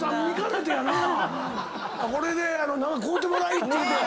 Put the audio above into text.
「これで何か買うてもらい」って言うて。